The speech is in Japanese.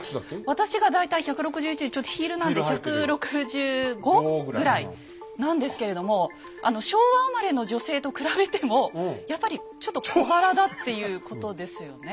私が大体１６１でちょっとヒールなんで１６５？ぐらいなんですけれども昭和生まれの女性と比べてもやっぱりちょっと小柄だっていうことですよね。